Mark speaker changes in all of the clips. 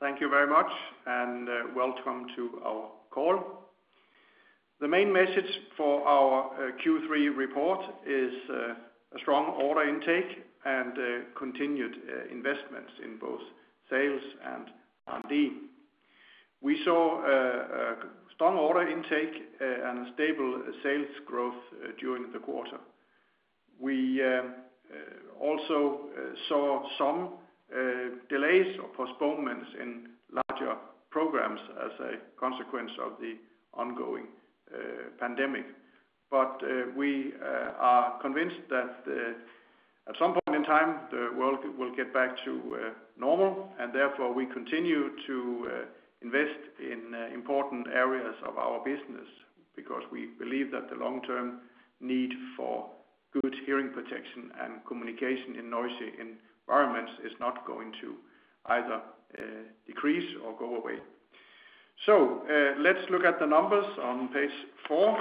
Speaker 1: Thank you very much. Welcome to our call. The main message for our Q3 report is a strong order intake and continued investments in both sales and R&D. We saw a strong order intake and a stable sales growth during the quarter. We also saw some delays or postponements in larger programs as a consequence of the ongoing pandemic. We are convinced that at some point in time, the world will get back to normal. Therefore, we continue to invest in important areas of our business, because we believe that the long-term need for good hearing protection and communication in noisy environments is not going to either decrease or go away. Let's look at the numbers on page four.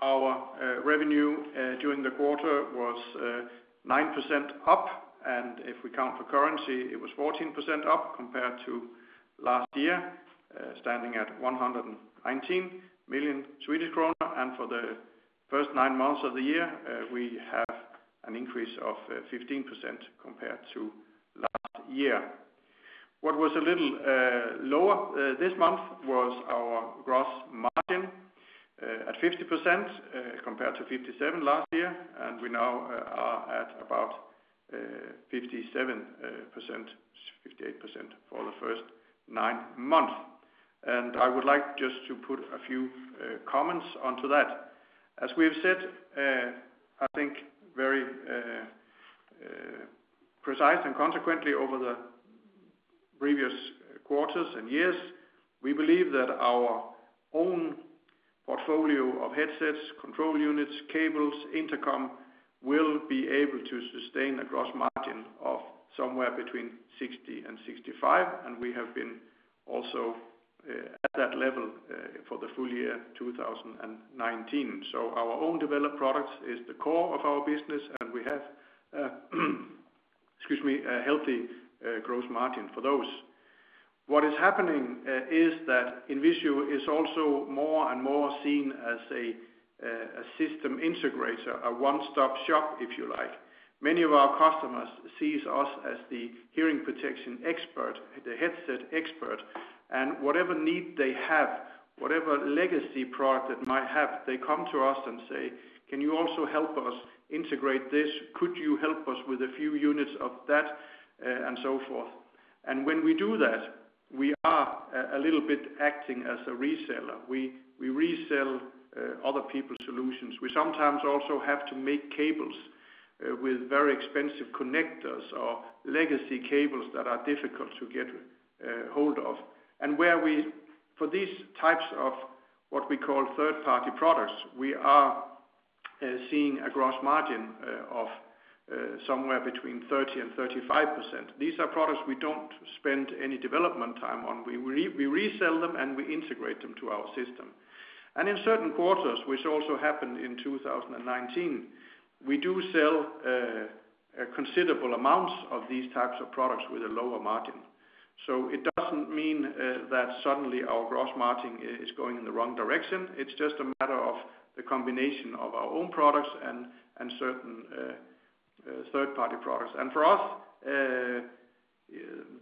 Speaker 1: Our revenue during the quarter was 9% up, and if we count for currency, it was 14% up compared to last year, standing at 119 million Swedish kronor. For the first nine months of the year, we have an increase of 15% compared to last year. What was a little lower this month was our gross margin at 50% compared to 57% last year, and we now are at about 57%, 58% for the first nine months. I would like just to put a few comments onto that. As we have said, I think very precise and consequently over the previous quarters and years, we believe that our own portfolio of headsets, control units, cables, intercom, will be able to sustain a gross margin of somewhere between 60% and 65%, and we have been also at that level for the full year 2019. Our own developed products is the core of our business, and we have a healthy gross margin for those. What is happening is that INVISIO is also more and more seen as a system integrator, a one-stop shop, if you like. Many of our customers see us as the hearing protection expert, the headset expert, and whatever need they have, whatever legacy product they might have, they come to us and say, "Can you also help us integrate this? Could you help us with a few units of that?" So forth. When we do that, we are a little bit acting as a reseller. We resell other people's solutions. We sometimes also have to make cables with very expensive connectors or legacy cables that are difficult to get a hold of. For these types of what we call third-party products, we are seeing a gross margin of somewhere between 30% and 35%. These are products we don't spend any development time on. We resell them and we integrate them to our system. In certain quarters, which also happened in 2019, we do sell considerable amounts of these types of products with a lower margin. It doesn't mean that suddenly our gross margin is going in the wrong direction. It's just a matter of the combination of our own products and certain third-party products. For us,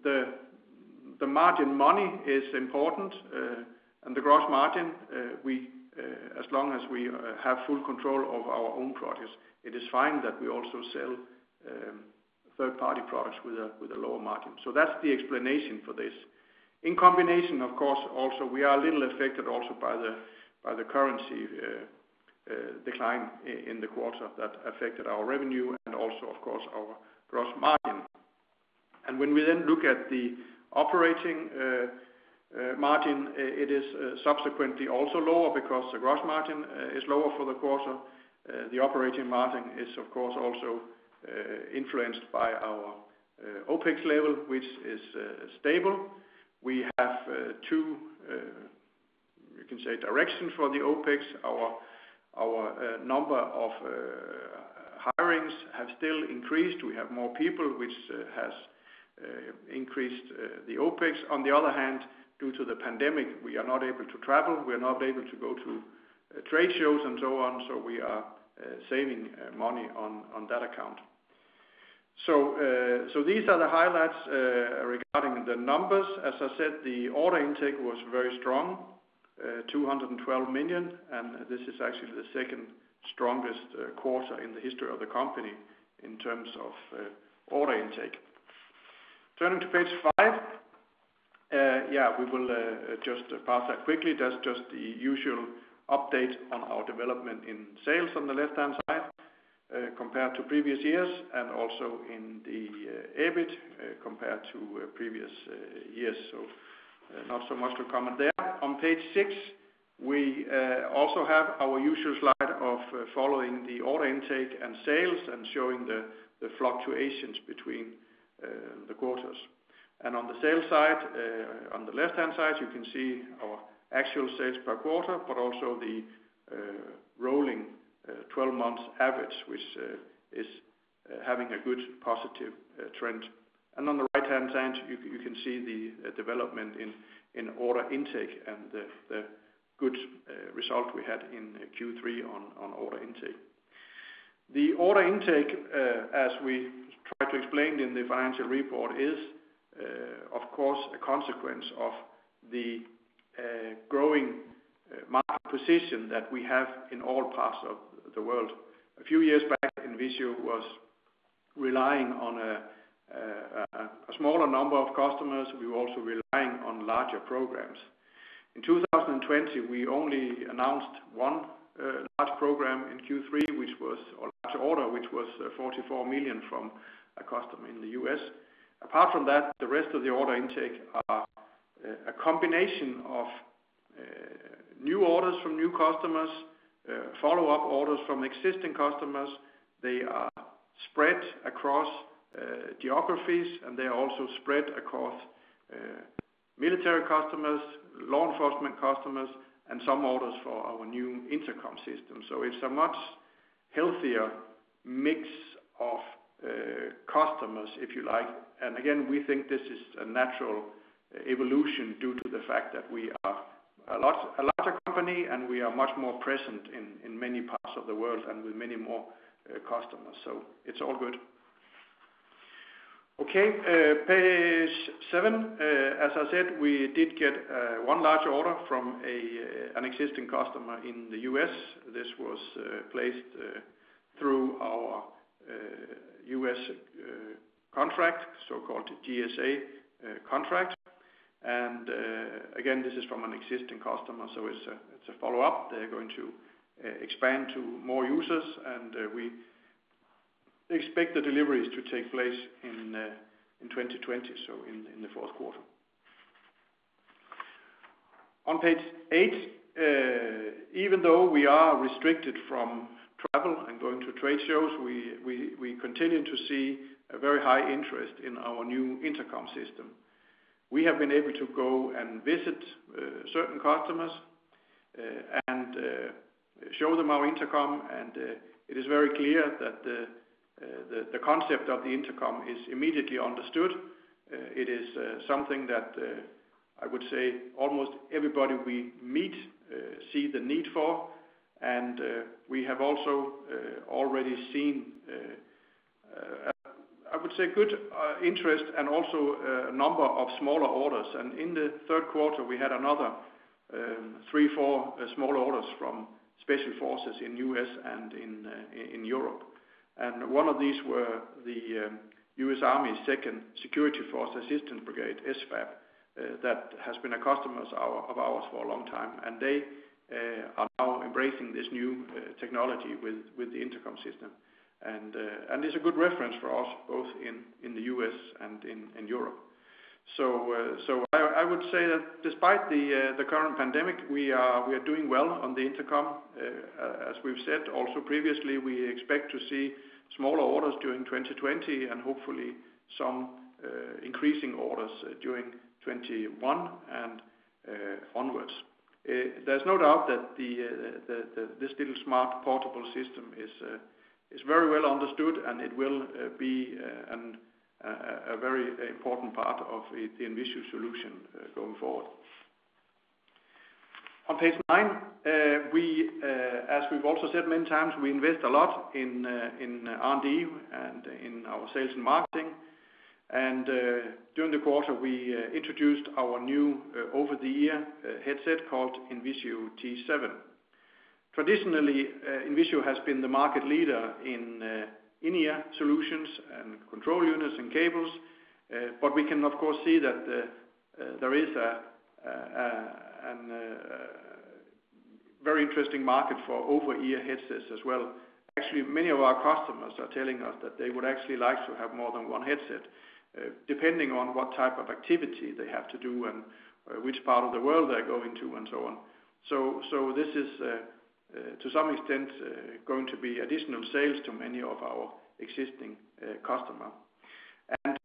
Speaker 1: the margin money is important, and the gross margin, as long as we have full control of our own products, it is fine that we also sell third-party products with a lower margin. That's the explanation for this. In combination, of course, also, we are a little affected also by the currency decline in the quarter that affected our revenue and also, of course, our gross margin. When we then look at the operating margin, it is subsequently also lower because the gross margin is lower for the quarter. The operating margin is, of course, also influenced by our OPEX level, which is stable. We have two, you can say, directions for the OPEX. Our number of hirings have still increased. We have more people, which has increased the OPEX. On the other hand, due to the pandemic, we are not able to travel. We are not able to go to trade shows and so on, we are saving money on that account. These are the highlights regarding the numbers. As I said, the order intake was very strong, 212 million. This is actually the second strongest quarter in the history of the company in terms of order intake. Turning to page five, we will just pass that quickly. That's just the usual update on our development in sales on the left-hand side compared to previous years and also in the EBIT compared to previous years. Not so much to comment there. On page six, we also have our usual slide of following the order intake and sales and showing the fluctuations between the quarters. On the sales side, on the left-hand side, you can see our actual sales per quarter, but also the rolling 12 months average, which is having a good positive trend. On the right-hand side, you can see the development in order intake and the good result we had in Q3 on order intake. The order intake, as we tried to explain in the financial report is, of course, a consequence of the growing market position that we have in all parts of the world. A few years back, INVISIO was relying on a smaller number of customers. We were also relying on larger programs. In 2020, we only announced one large program in Q3, or large order, which was $44 million from a customer in the U.S. Apart from that, the rest of the order intake are a combination of new orders from new customers, follow-up orders from existing customers. They are spread across geographies, and they are also spread across military customers, law enforcement customers, and some orders for our new intercom system. It's a much healthier mix of customers, if you like. Again, we think this is a natural evolution due to the fact that we are a larger company, and we are much more present in many parts of the world and with many more customers. It's all good. Okay. Page seven. As I said, we did get one large order from an existing customer in the U.S. This was placed through our U.S. contract, so-called GSA contract. Again, this is from an existing customer, so it's a follow-up. They're going to expand to more users, and we expect the deliveries to take place in 2020, so in the fourth quarter. On page eight, even though we are restricted from travel and going to trade shows, we continue to see a very high interest in our new intercom system. We have been able to go and visit certain customers and show them our intercom. It is very clear that the concept of the intercom is immediately understood. It is something that, I would say, almost everybody we meet see the need for. We have also already seen, I would say, good interest and also a number of smaller orders. In the third quarter, we had another three, four small orders from special forces in U.S. and in Europe. One of these were the U.S. Army's second Security Force Assistance Brigade, SFAB, that has been a customer of ours for a long time. They are now embracing this new technology with the intercom system. It's a good reference for us both in the U.S. and in Europe. I would say that despite the current pandemic, we are doing well on the intercom. As we've said also previously, we expect to see smaller orders during 2020 and hopefully some increasing orders during 2021 and onwards. There's no doubt that this little smart portable system is very well understood, and it will be a very important part of the INVISIO solution going forward. On page nine, as we've also said many times, we invest a lot in R&D and in our sales and marketing. During the quarter, we introduced our new over-the-ear headset called INVISIO T7. Traditionally, INVISIO has been the market leader in in-ear solutions and control units and cables. We can of course see that there is a very interesting market for over-ear headsets as well. Actually, many of our customers are telling us that they would actually like to have more than one headset, depending on what type of activity they have to do and which part of the world they're going to and so on. This is, to some extent, going to be additional sales to many of our existing customer.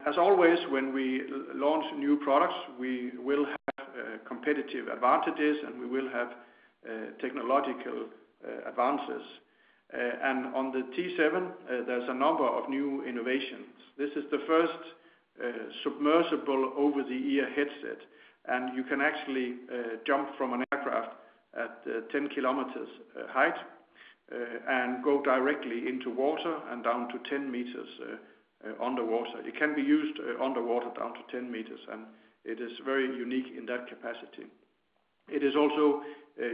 Speaker 1: As always, when we launch new products, we will have competitive advantages, and we will have technological advances. On the T7, there's a number of new innovations. This is the first submersible over-the-ear headset, and you can actually jump from an aircraft at 10 kilometers height and go directly into water and down to 10 meters underwater. It can be used underwater down to 10 meters, and it is very unique in that capacity. It is also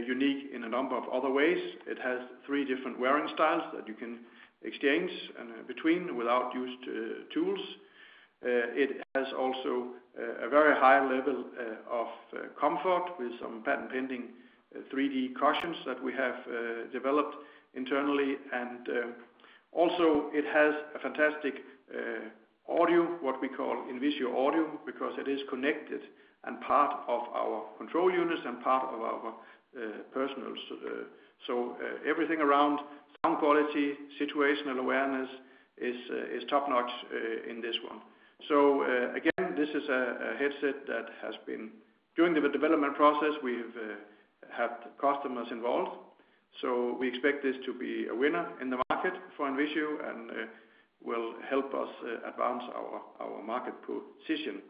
Speaker 1: unique in a number of other ways. It has three different wearing styles that you can exchange between without used tools. It has also a very high level of comfort with some patent-pending 3D cushions that we have developed internally. Also it has a fantastic audio, what we call INVISIO Audio, because it is connected and part of our control units and part of our personal. Everything around sound quality, situational awareness is top-notch in this one. Again, this is a headset that has been, during the development process, we've had customers involved. We expect this to be a winner in the market for INVISIO and will help us advance our market position.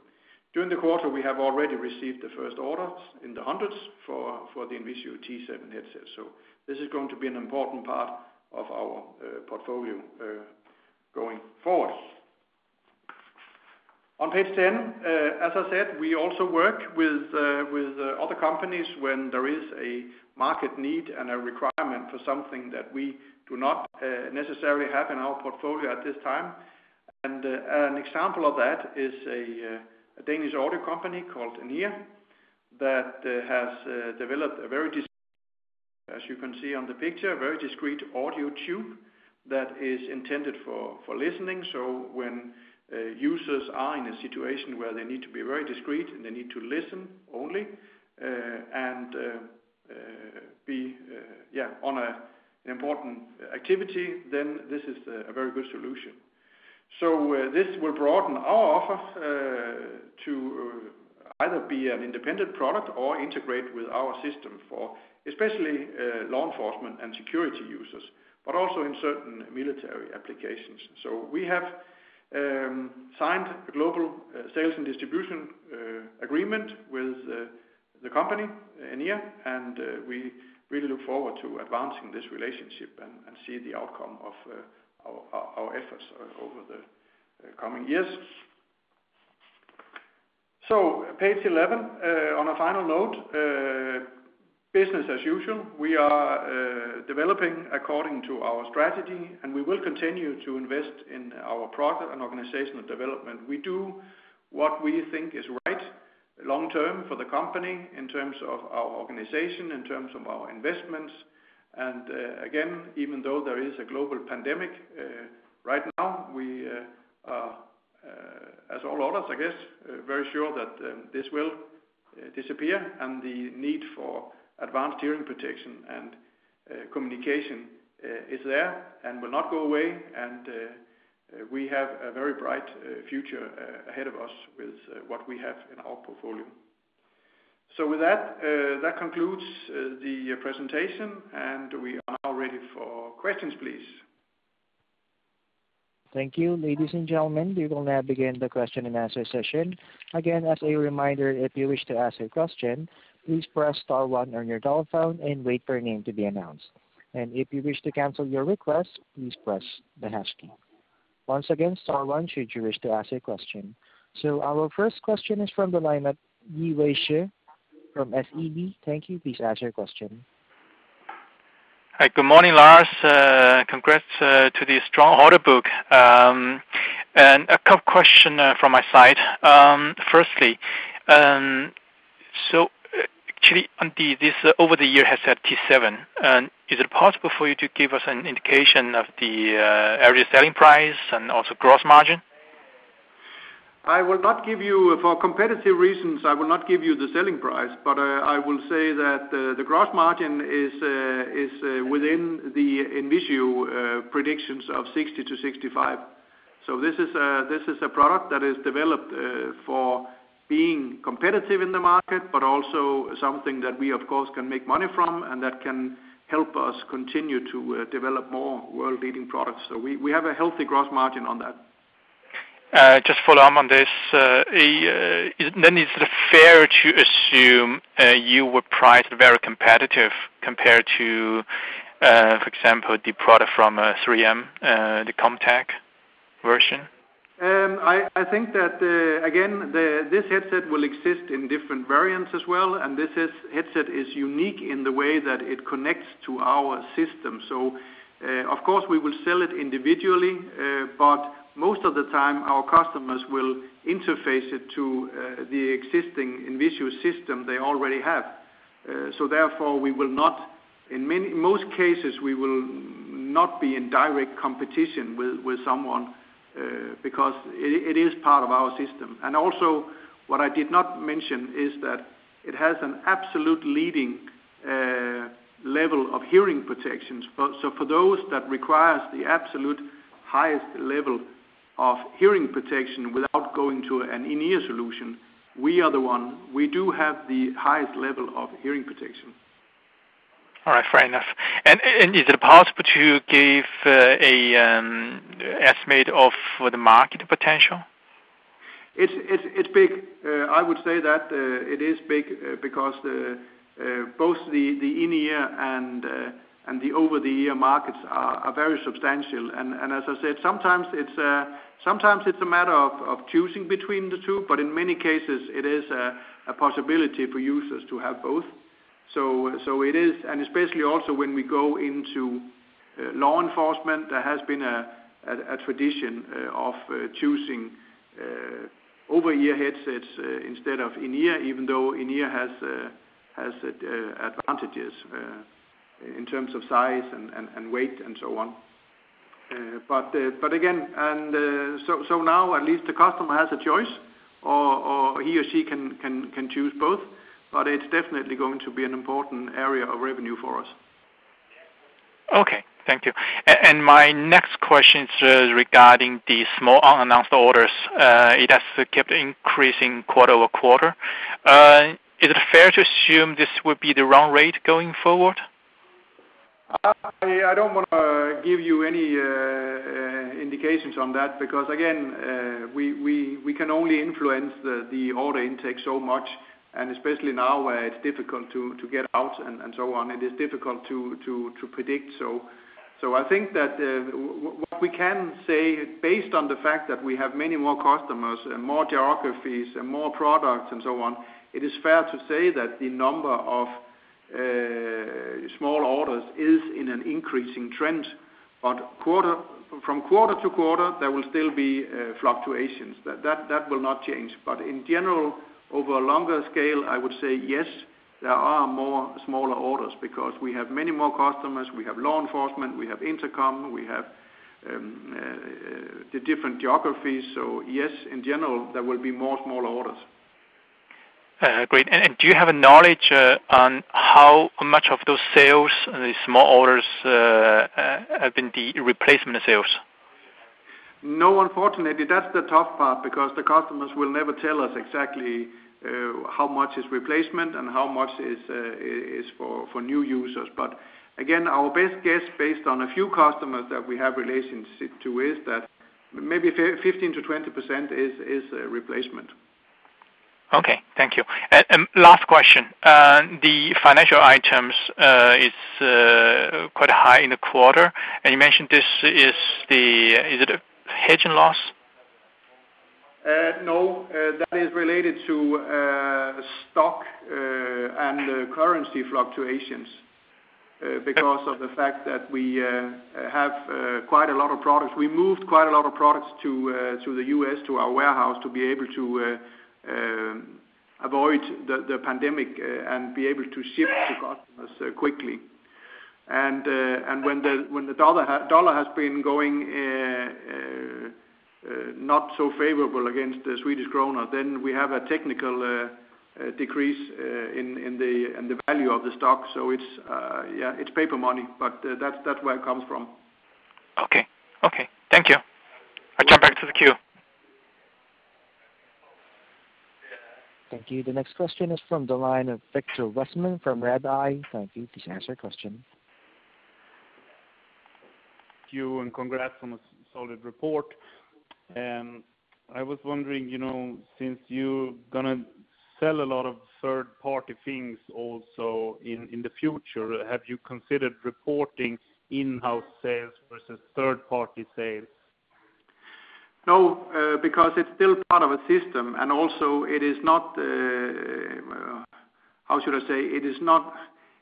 Speaker 1: During the quarter, we have already received the first orders in the hundreds for the INVISIO T7 headset. This is going to be an important part of our portfolio going forward. On page 10, as I said, we also work with other companies when there is a market need and a requirement for something that we do not necessarily have in our portfolio at this time. An example of that is a Danish audio company called N-ear that has developed, as you can see on the picture, a very discreet audio tube that is intended for listening. When users are in a situation where they need to be very discreet and they need to listen only and be on an important activity, then this is a very good solution. This will broaden our offer to either be an independent product or integrate with our system for especially law enforcement and security users, but also in certain military applications. We have signed a global sales and distribution agreement with the company, N-ear, and we really look forward to advancing this relationship and see the outcome of our efforts over the coming years. Page 11, on a final note, business as usual. We are developing according to our strategy, and we will continue to invest in our product and organizational development. We do what we think is right long term for the company in terms of our organization, in terms of our investments. Again, even though there is a global pandemic right now, we are, as all others I guess, very sure that this will disappear and the need for advanced hearing protection and communication is there and will not go away. We have a very bright future ahead of us with what we have in our portfolio. With that concludes the presentation, and we are now ready for questions, please.
Speaker 2: Thank you. Ladies and gentlemen, we will now begin the question and answer session. Again, as a reminder, if you wish to ask a question, please press star one on your telephone and wait for your name to be announced. If you wish to cancel your request, please press the hash key. Once again, star one should you wish to ask a question. Our first question is from the line at Yi Wei Shi from SEB. Thank you. Please ask your question.
Speaker 3: Hi. Good morning, Lars. Congrats to the strong order book. A couple question from my side. Firstly, actually on this over-the-ear headset T7, is it possible for you to give us an indication of the average selling price and also gross margin?
Speaker 1: For competitive reasons, I will not give you the selling price, but I will say that the gross margin is within the INVISIO predictions of 60%-65%. This is a product that is developed for being competitive in the market, but also something that we of course can make money from and that can help us continue to develop more world-leading products. We have a healthy gross margin on that.
Speaker 3: Just follow up on this. Is it fair to assume you were priced very competitive compared to, for example, the product from 3M, the ComTac version?
Speaker 1: I think that again, this headset will exist in different variants as well, and this headset is unique in the way that it connects to our system. Of course we will sell it individually, but most of the time our customers will interface it to the existing INVISIO system they already have. Therefore, in most cases, we will not be in direct competition with someone because it is part of our system. What I did not mention is that it has an absolute leading level of hearing protections. For those that requires the absolute highest level of hearing protection without going to an in-ear solution, we are the one. We do have the highest level of hearing protection.
Speaker 3: All right. Fair enough. Is it possible to give an estimate of the market potential?
Speaker 1: It's big. I would say that it is big because both the in-ear and the over-the-ear markets are very substantial. As I said, sometimes it's a matter of choosing between the two, but in many cases it is a possibility for users to have both. Especially also when we go into law enforcement, there has been a tradition of choosing over-ear headsets instead of in-ear, even though in-ear has advantages in terms of size and weight and so on. Again, now at least the customer has a choice, or he or she can choose both. It's definitely going to be an important area of revenue for us.
Speaker 3: Okay. Thank you. My next question is regarding the small unannounced orders. It has kept increasing quarter-over-quarter. Is it fair to assume this will be the run rate going forward?
Speaker 1: I don't want to give you any indications on that, because again, we can only influence the order intake so much, and especially now, where it's difficult to get out and so on, it is difficult to predict. I think that what we can say, based on the fact that we have many more customers and more geographies and more products and so on, it is fair to say that the number of small orders is in an increasing trend. From quarter to quarter, there will still be fluctuations. That will not change. In general, over a longer scale, I would say yes, there are more smaller orders because we have many more customers. We have law enforcement, we have intercom, we have the different geographies. Yes, in general, there will be more smaller orders.
Speaker 3: Great. Do you have a knowledge on how much of those sales, the small orders, have been the replacement sales?
Speaker 1: Unfortunately, that's the tough part because the customers will never tell us exactly how much is replacement and how much is for new users. Again, our best guess based on a few customers that we have relationships to is that maybe 15%-20% is replacement.
Speaker 3: Okay, thank you. Last question. The financial items, it's quite high in the quarter, and you mentioned this is the hedging loss?
Speaker 1: No, that is related to stock and currency fluctuations because of the fact that we have quite a lot of products. We moved quite a lot of products to the U.S. to our warehouse to be able to avoid the pandemic and be able to ship to customers quickly. When the U.S. dollar has been going not so favorable against the Swedish krona, then we have a technical decrease in the value of the stock. It's paper money, but that's where it comes from.
Speaker 3: Okay. Thank you. I'll jump back to the queue.
Speaker 2: Thank you. The next question is from the line of Viktor Westman from Redeye. Thank you. Please ask your question.
Speaker 4: Thank you, and congrats on a solid report. I was wondering, since you're going to sell a lot of third-party things also in the future, have you considered reporting in-house sales versus third-party sales?
Speaker 1: No, because it's still part of a system, and also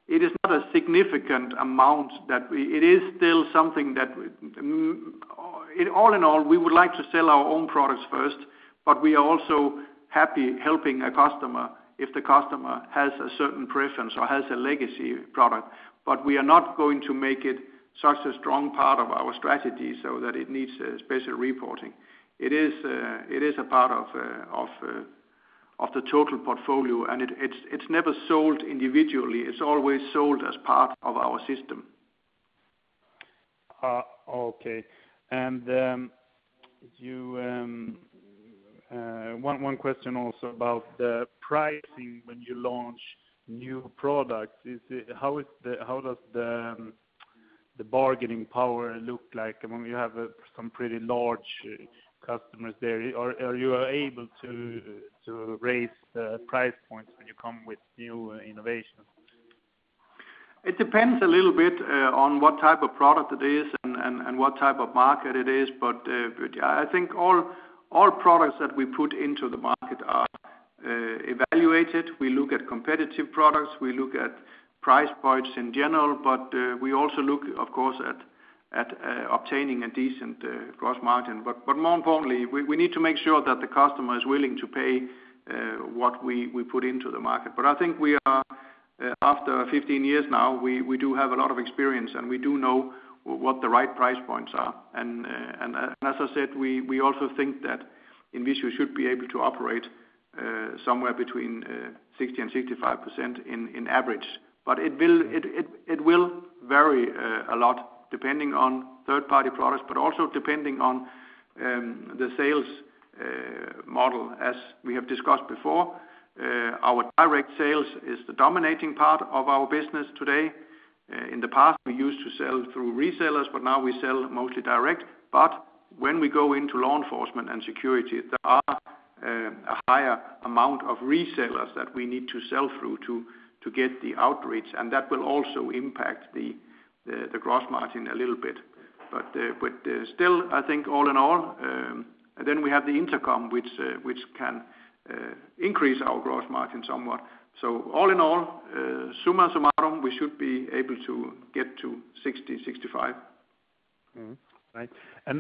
Speaker 1: it is not a significant amount. It is still something that all in all, we would like to sell our own products first, but we are also happy helping a customer if the customer has a certain preference or has a legacy product. We are not going to make it such a strong part of our strategy so that it needs special reporting. It is a part of the total portfolio, and it's never sold individually. It's always sold as part of our system.
Speaker 4: Okay. One question also about the pricing when you launch new products. How does the bargaining power look like when you have some pretty large customers there? Are you able to raise the price points when you come with new innovations?
Speaker 1: It depends a little bit on what type of product it is and what type of market it is. I think all products that we put into the market are evaluated. We look at competitive products. We look at price points in general, but we also look, of course, at obtaining a decent gross margin. More importantly, we need to make sure that the customer is willing to pay what we put into the market. I think we are after 15 years now, we do have a lot of experience, and we do know what the right price points are. As I said, we also think that INVISIO should be able to operate somewhere between 60% and 65% on average. It will vary a lot depending on third-party products, but also depending on the sales model, as we have discussed before. Our direct sales is the dominating part of our business today. In the past, we used to sell through resellers, but now we sell mostly direct. When we go into law enforcement and security, there are a higher amount of resellers that we need to sell through to get the outreach, and that will also impact the gross margin a little bit. Still, I think all in all, then we have the intercom, which can increase our gross margin somewhat. All in all, summa summarum, we should be able to get to 60%, 65%.
Speaker 4: Right.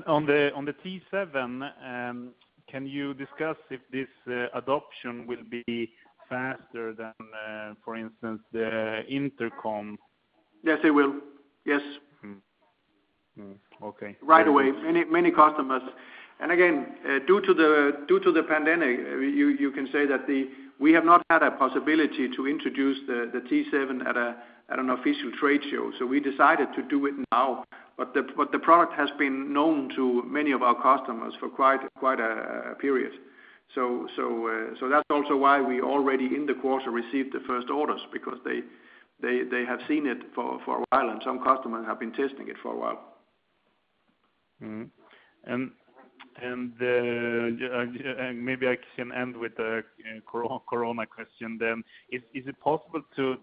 Speaker 4: On the T7, can you discuss if this adoption will be faster than, for instance, the intercom?
Speaker 1: Yes, it will. Yes.
Speaker 4: Okay.
Speaker 1: Right away. Many customers. Again, due to the pandemic, you can say that we have not had a possibility to introduce the T7 at an official trade show. We decided to do it now. The product has been known to many of our customers for quite a period. That's also why we already in the quarter received the first orders because they have seen it for a while, and some customers have been testing it for a while.
Speaker 4: Maybe I can end with a Corona question then. Is it possible to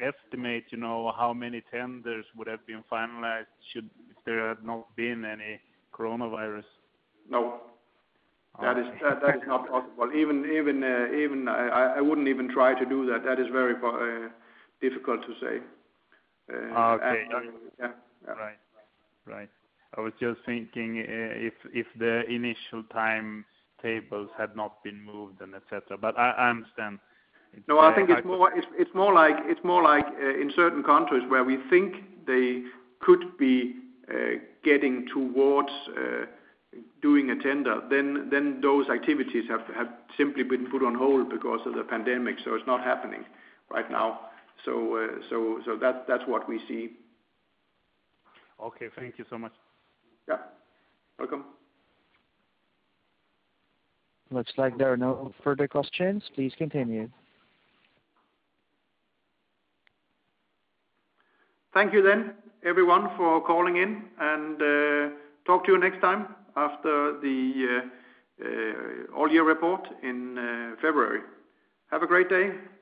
Speaker 4: estimate how many tenders would have been finalized if there had not been any coronavirus?
Speaker 1: No. That is not possible. I wouldn't even try to do that. That is very difficult to say.
Speaker 4: Okay.
Speaker 1: Yeah.
Speaker 4: Right. I was just thinking if the initial timetables had not been moved and et cetera. I understand.
Speaker 1: No, I think it's more like in certain countries where we think they could be getting towards doing a tender, then those activities have simply been put on hold because of the pandemic. It's not happening right now. That's what we see.
Speaker 4: Okay. Thank you so much.
Speaker 1: Yeah. Welcome.
Speaker 2: Looks like there are no further questions. Please continue.
Speaker 1: Thank you, everyone, for calling in. Talk to you next time after the all-year report in February. Have a great day.